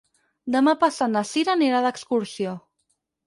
Demà passat na Sira anirà d'excursió.